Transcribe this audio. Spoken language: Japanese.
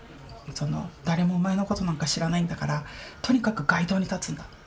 「誰もお前のことなんか知らないんだからとにかく街頭に立つんだ」